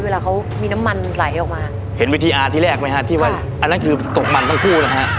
เวลาเขามีน้ำมันไหลออกมาเห็นวิธีอาร์ที่แรกไหมฮะที่ว่าอันนั้นคือตกมันทั้งคู่นะฮะ